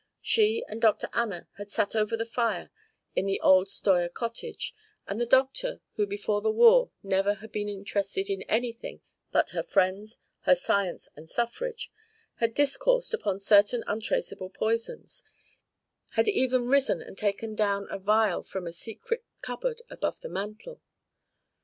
She and Dr. Anna had sat over the fire in the old Steuer cottage, and the doctor, who before the war never had been interested in anything but her friends, her science, and suffrage, had discoursed upon certain untraceable poisons, had even risen and taken down a vial from a secret cupboard above the mantel.